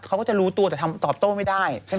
เขาก็จะรู้ตัวแต่ตอบโต้ไม่ได้